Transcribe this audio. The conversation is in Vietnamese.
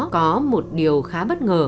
có một điều khá bất ngờ